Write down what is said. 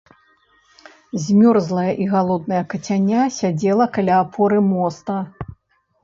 Змёрзлае і галоднае кацяня сядзела каля апоры моста.